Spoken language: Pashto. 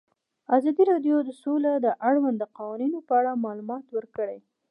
ازادي راډیو د سوله د اړونده قوانینو په اړه معلومات ورکړي.